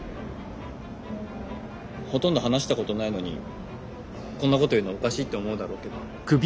ほとんど話したことないのにこんなこと言うのおかしいって思うだろうけど。